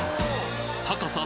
高さ